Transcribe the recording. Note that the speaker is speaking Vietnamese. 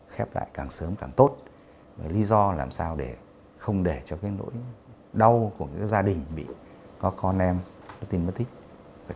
khắc phục cái ảnh hưởng của chất độc da cam